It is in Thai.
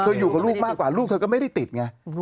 อยู่กับลูกมากกว่าลูกเธอก็ไม่ได้ติดไง